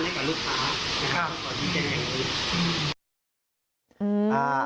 ให้กับลูกภาพ